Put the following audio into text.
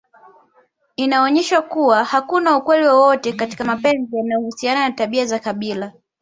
Inaonyesha kuwa hakuna ukweli wowote katika mapenzi yanayohusiana na tabia za kabila